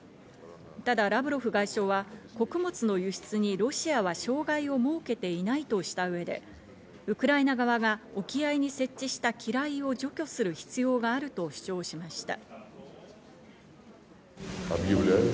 ただラブロフ外相は、穀物の輸出にロシアは障害を設けていないとした上で、ウクライナ側が沖合に設置した機雷を除去する必要があると主張しました。